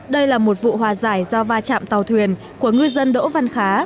đây là một vụ hòa giải do va chạm tàu thuyền của ngư dân đỗ văn khá